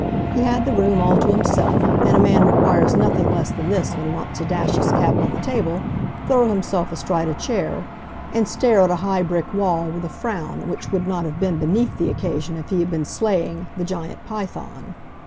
He had the room all to himself, and a man requires nothing less than this when he wants to dash his cap on the table, throw himself astride a chair, and stare at a high brick wall with a frown which would not have been beneath the occasion if he had been slaying "the giant Python."